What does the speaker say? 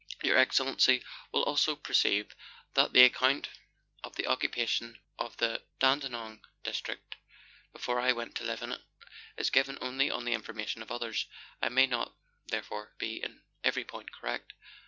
Your Excellency will also perceive that the account of the occu pation of the Dandenong district before I went to live in it, is given only on the information of others, and may not therefore be in every point correct.